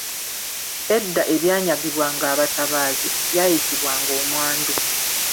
Edda ebyanyagibwanga nga abatabaazi byayitibwanga omwandu.